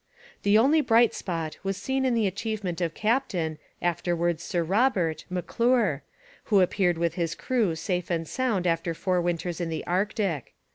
The only bright spot was seen in the achievement of Captain, afterwards Sir Robert, M'Clure, who reappeared with his crew safe and sound after four winters in the Arctic.